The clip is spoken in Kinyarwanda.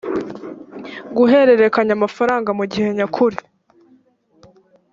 guhererekanya amafaranga mu gihe nyakuri